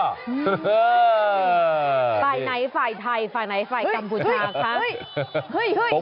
ไปไหนฝ่ายไทยไปไหนฝ่ายกัมพูชะคะ